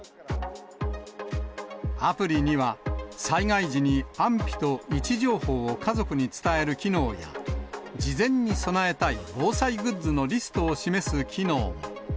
アプリには、災害時に安否と位置情報を家族に伝える機能や、事前に備えたい防災グッズのリストを示す機能も。